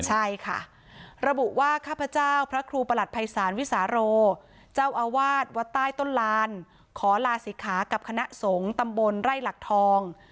ใช่ค่ะระบุว่าข้าพเจ้าพระครูประหลัดภัยศาลวิสาโรเจ้าอาวาสวัดใต้ต้นลานขอลาศิกขากับคณะสงฆ์ตำบลไร่หลักทอง